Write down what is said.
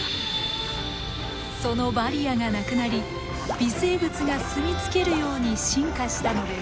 そのバリアがなくなり微生物が住み着けるように進化したのです。